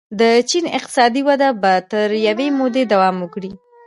د چین اقتصادي وده به تر یوې مودې دوام وکړي.